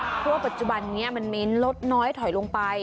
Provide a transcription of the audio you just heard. เพราะว่าปัจจุบันนี้มันมีลดน้อยถอยลงไป